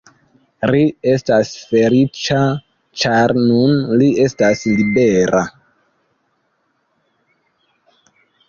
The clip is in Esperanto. Ri estas feliĉa, ĉar nun li estas libera.